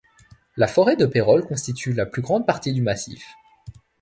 La forêt de Peyrolles constitue la plus grande partie du massif.